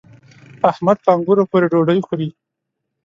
احمد په انګورو پورې ډوډۍ خوري.